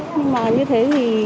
nhưng mà như thế thì